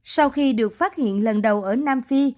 sau khi được phát hiện lần đầu ở nam phi